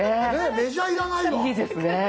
メジャー要らないわ。